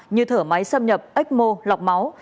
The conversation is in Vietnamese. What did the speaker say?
như thở máy xâm nhập ếch mô lọc máu